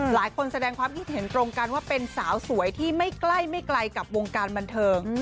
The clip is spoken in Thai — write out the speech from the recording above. แสดงความคิดเห็นตรงกันว่าเป็นสาวสวยที่ไม่ใกล้ไม่ไกลกับวงการบันเทิง